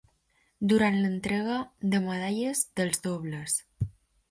Durant l’entrega de medalles dels dobles.